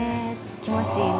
気持ちいいね。